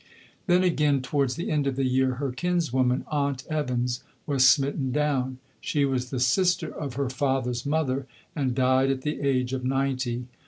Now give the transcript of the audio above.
Then, again, towards the end of the year, her kinswoman, "Aunt Evans," was smitten down. She was the sister of her father's mother, and died at the age of ninety.